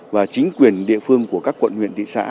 và chính quyền địa phương của các quận huyện thị xã